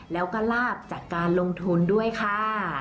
แล้วก็ลาบจากการลงทุนด้วยค่ะ